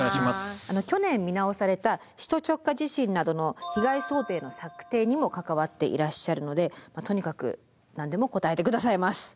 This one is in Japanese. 去年見直された首都直下地震などの被害想定の策定にも関わっていらっしゃるのでとにかく何でも答えて下さいます。